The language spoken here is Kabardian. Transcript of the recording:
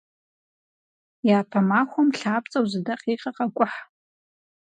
Япэ махуэм лъапцӀэу зы дакъикъэ къэкӀухь.